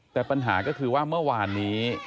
แต่ปัญหาก็คือว่าเมื่อวานนี้